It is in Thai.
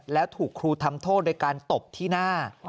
แล้วถูกครูทำโทษโดยการตบที่หน้า